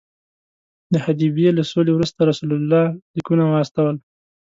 د حدیبیې له سولې وروسته رسول الله لیکونه واستول.